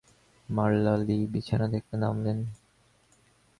মারলা Lee বিছানা থেকে নামলেন।